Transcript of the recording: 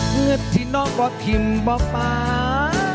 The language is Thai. เงินที่น้องก็พิ่มบ่ป้า